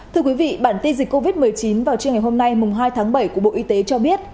thưa quý vị bản tin dịch covid một mươi chín vào trưa ngày hôm nay hai tháng bảy của bộ y tế cho biết